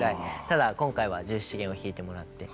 ただ今回は十七絃を弾いてもらって